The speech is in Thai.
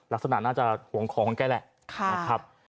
ลักษณะน่าจะห่วงของกันใกล้แหละ